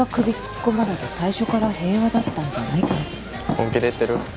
本気で言ってる？